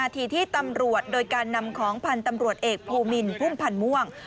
ทีที่ตำรวจโดยการนำของพันธ์ตำรวจเอกภูมินพุ่มพันธ์ม่วง